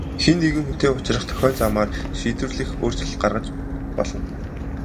Хэн нэгэн хүнтэй учран тохиох замаар шийдвэрлэх өөрчлөлт гаргаж болно.